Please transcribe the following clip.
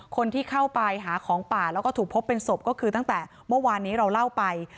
คนที่เข้าไปหาของป่าแล้วก็ถูกพบเป็นศพก็คือตั้งแต่เมื่อวานนี้เราเล่าไป